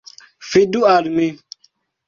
Fidu al mi!